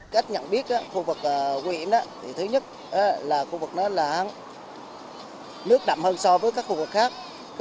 cách nhận biết khu vực nguy hiểm đó thì thứ nhất là khu vực đó là nước đậm hơn so với các khu vực khác